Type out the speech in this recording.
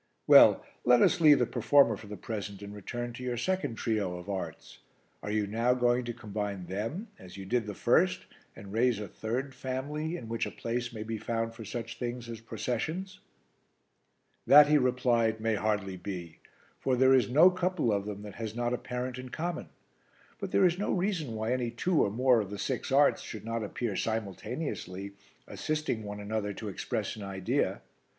"Well, let us leave the performer for the present and return to your second trio of arts. Are you now going to combine them, as you did the first, and raise a third family in which a place may be found for such things as processions?" "That," he replied, "may hardly be, for there is no couple of them that has not a parent in common. But there is no reason why any two or more of the six arts should not appear simultaneously, assisting one another to express an idea.